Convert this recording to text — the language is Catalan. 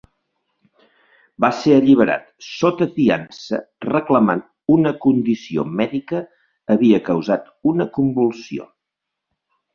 Va ser alliberat sota fiança reclamant una condició mèdica havia causat una convulsió.